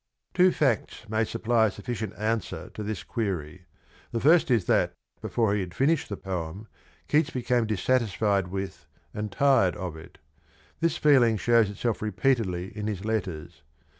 Two facts may supply a sufficient answer to this query. The first is that before he had finished the poem Keats became dissatisfied with and tired of it. This feeling shows itself repeatedly in his letters.